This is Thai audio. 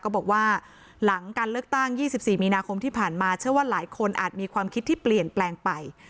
ก็บอกว่าหลังการเลือกตั้ง๒๔มีนาคมที่ผ่านมาเชื่อว่าหลายคนอาจมีความคิดที่เปลี่ยนแปลงไป